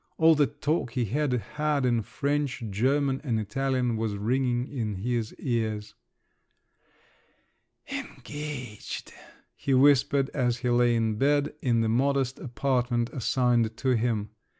All the talk he had had in French, German, and Italian was ringing in his ears. "Engaged!" he whispered as he lay in bed, in the modest apartment assigned to him.